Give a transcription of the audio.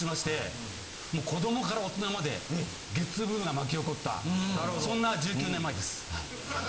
子どもから大人までゲッツブームが巻き起こったそんな１９年前です。